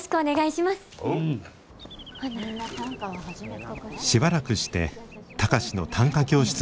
しばらくして貴司の短歌教室が開かれました。